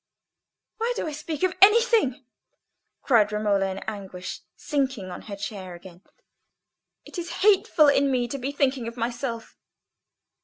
"Why do I speak of anything?" cried Romola, in anguish, sinking on her chair again. "It is hateful in me to be thinking of myself."